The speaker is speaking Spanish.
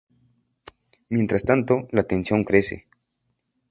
Mientras tanto, la tensión crece.